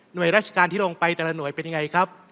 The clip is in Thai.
โดยราชการที่ลงไปแต่ละหน่วยเป็นยังไงครับ